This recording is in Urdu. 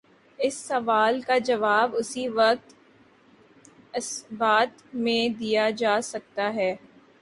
اس سوال کا جواب اسی وقت اثبات میں دیا جا سکتا ہے۔